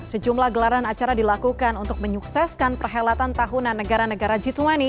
sejumlah gelaran acara dilakukan untuk menyukseskan perhelatan tahunan negara negara g dua puluh